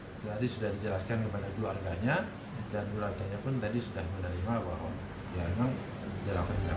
itu tadi sudah dijelaskan kepada keluarganya dan keluarganya pun tadi sudah menerima bahwa dia memang dalam rangka